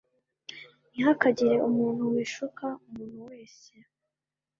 Ntihakagire umuntu wishuka umuntu wese